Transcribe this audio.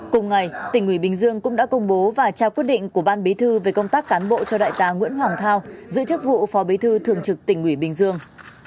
cùng ngày tỉnh ủy bình dương cũng đã công bố và trao quyết định của ban bí thư về công tác cán bộ cho đại tá nguyễn hoàng thao giữ chức vụ phó bí thư thường trực tỉnh ủy bình dương